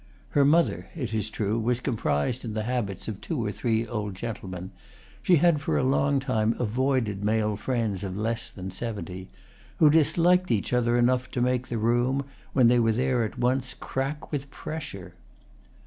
Her mother, it is true, was comprised in the habits of two or three old gentlemen—she had for a long time avoided male friends of less than seventy—who disliked each other enough to make the room, when they were there at once, crack with pressure.